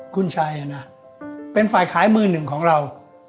คุณชัยนะเป็นฝ่ายขายมือหนึ่งของเรา